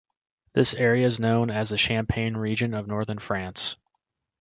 This area is known as the Champagne region of Northern France.